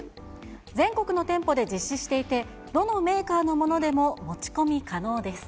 全国の店舗で実施していて、どのメーカーのものでも持ち込み可能です。